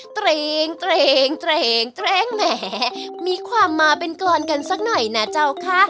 เกรงแหมมีความมาเป็นกรอนกันสักหน่อยนะเจ้าคะ